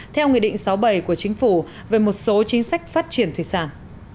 theo nghị định sáu bảy của chính phủ về một số chính sách phát triển thủy sản